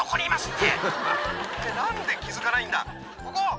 「って何で気付かないんだ！